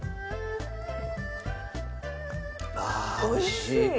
おいしい。